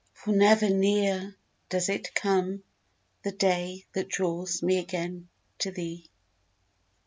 For never near Does it come, the day That draws me again to thee!